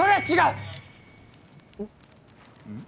うん？